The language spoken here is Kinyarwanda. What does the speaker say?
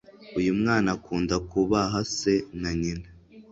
Uyumwana akunda kubaha se na nyina